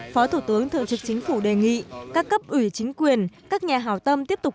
phó thủ tướng thượng trực chính phủ đề nghị các cấp ủy chính quyền các nhà hào tâm tiếp tục